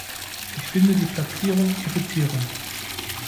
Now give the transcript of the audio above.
Ich finde die Platzierung irritierend.